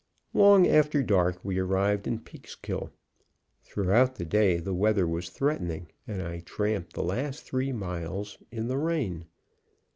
Long after dark we arrived in Peekskill. Throughout the day the weather was threatening, and I tramped the last three miles in the rain.